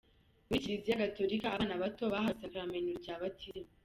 Muri Kiliziya Gatolika, abana bato bahawe isakaramentu rya Batisimu.